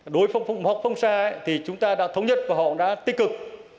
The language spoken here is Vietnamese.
đối với phóng mô sa chúng ta đã thống nhất và họ đã tích cực